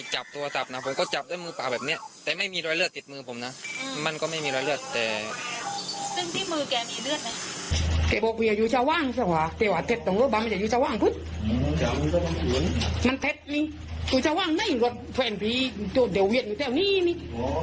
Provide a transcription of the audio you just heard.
ไหนล่ะตรงรถแต่พีศน์มีโดดเดวเวียดอยู่แทวนี้นี่